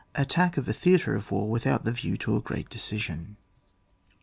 ATTACK OF A THEATRE OF WAR WITHOUT THE VIEW TO A GREAT DECISION.